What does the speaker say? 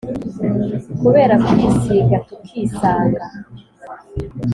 Kubera kwisiga tukisanga